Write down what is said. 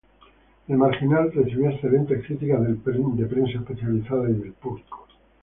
El marginal recibió excelentes críticas del prensa especializada y del público.